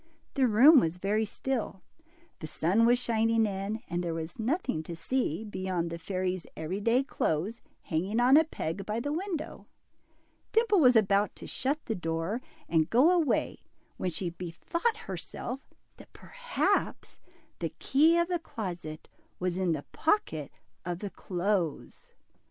The room was very still, the sun was shining in, and there was nothing to see, beyond the fairy's every day clothes hanging on a peg by the window. Dimple was about to shut the door and go away, when she bethought herself that perhaps the key of the closet was in the pocket of the clothes.